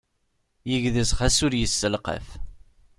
Yegdez xas ur yesselqaf.